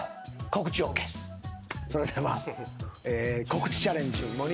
それでは告知チャレンジ。